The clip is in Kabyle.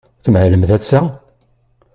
Ad tmahlemt ass-a?